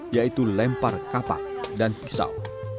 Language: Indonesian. yaitu lempar kapak dan pisau